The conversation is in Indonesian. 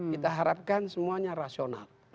kita harapkan semuanya rasional